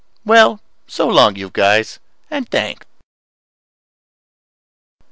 Well, so long, you guys and thanks.